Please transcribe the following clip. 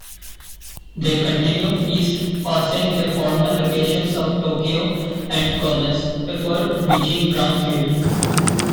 They continue east passing the former locations of Tokio and Gomez before reaching Brownfield.